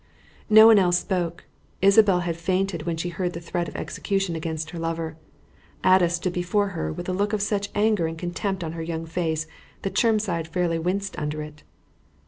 No one else spoke. Isabelle had fainted when she heard the threat of execution against her lover. Ada stood before her with a look of such anger and contempt on her young face that Chermside fairly winced under it.